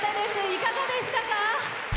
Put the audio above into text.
いかがでしたか？